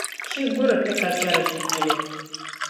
Chi guri ti ka chɛri ʒiduli.